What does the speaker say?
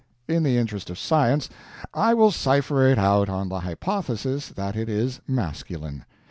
In the interest of science, I will cipher it out on the hypothesis that it is masculine.